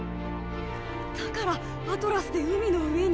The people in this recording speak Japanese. だからアトラスで海の上に。